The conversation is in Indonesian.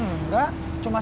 enggak cuma selalu